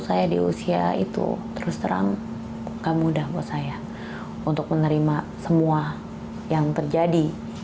saya di usia itu terus terang gak mudah buat saya untuk menerima semua yang terjadi